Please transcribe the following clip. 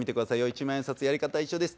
一万円札やり方は一緒です。